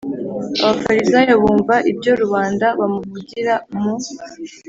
Abafarisayo bumva ibyo rubanda bamuvugira mu